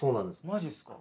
マジっすか。